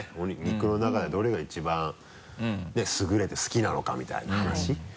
肉の中でどれが一番優れて好きなのかみたいな話。